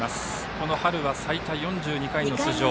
この春は、最多４２回の出場。